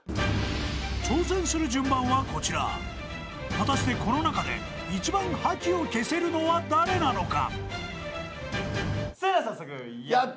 ［果たしてこの中で一番覇気を消せるのは誰なのか？］